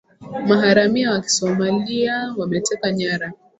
maharamia wa kisomalia wameteka nyara